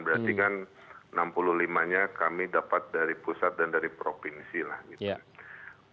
berarti kan enam puluh lima nya kami dapat dari pusat dan dari provinsi lah gitu